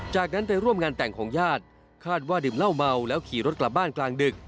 จากนั้นไปร่วมงานแต่งของญาติคาดว่าดื่มเหล้าเมาแล้วขี่รถกลับบ้านกลางดึก